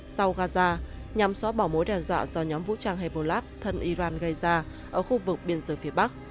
sau gaza nhằm xóa bỏ mối đe dọa do nhóm vũ trang hebolab thân iran gây ra ở khu vực biên giới phía bắc